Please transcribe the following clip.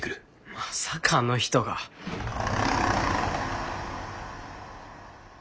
まさかあの人が。着てる。